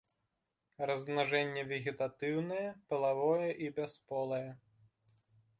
Размнажэнне вегетатыўнае, палавое і бясполае.